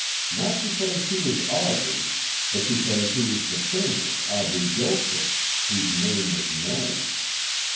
Not because he was Aubrey, but because he was the famous Aubrey Gilchrist, whose name was known.